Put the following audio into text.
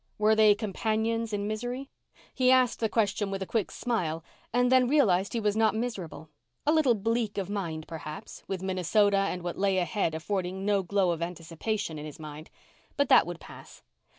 Were they companions in misery? He asked the question with a quick smile and then realized he was not miserable. A little bleak of mind, perhaps, with Minnesota and what lay ahead affording no glow of anticipation in his mind. But that would pass.